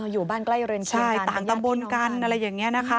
อยู่บ้านใกล้เรือนกันต่างตำบลกัน